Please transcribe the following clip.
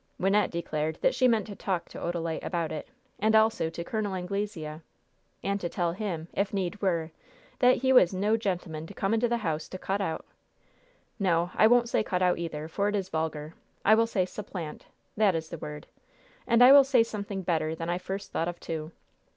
Wynnette declared that she meant to talk to Odalite about it, and also to Col. Anglesea, and to tell him, if need were, that he was no gentleman to come into the house to cut out "No, I won't say 'cut out,' either, for it is vulgar; I will say supplant that is the word, and I will say something better than I first thought of, too!